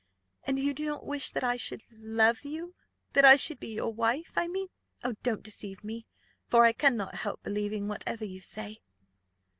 And you do not wish that I should love you, that I should be your wife, I mean? Oh, don't deceive me, for I cannot help believing whatever you say."